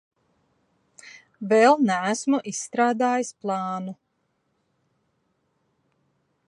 Vēl neesmu izstrādājis plānu.